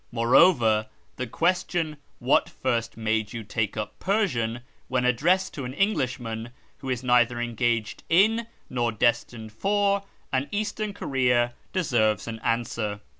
Moreover the question " Wiiat first made you take up Persian ?" when addressed to an Englishman who is neither engaged in, nor destined for, an Eastern career deserves an answer.